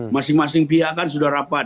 masing masing pihak kan sudah rapat